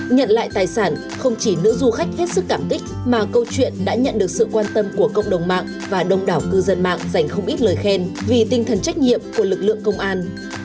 nhận lại tài sản không chỉ nữ du khách hết sức cảm kích mà câu chuyện đã nhận được sự quan tâm của cộng đồng mạng và đông đảo cư dân mạng dành không ít lời khen vì tinh thần trách nhiệm của lực lượng công an